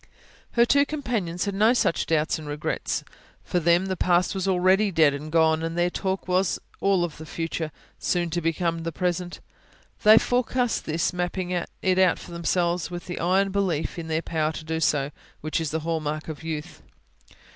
Her two companions had no such doubts and regrets; for them the past was already dead and gone; their talk was all of the future, so soon to become the present. They forecast this, mapping it out for themselves with the iron belief in their power to do so, which is the hall mark of youth.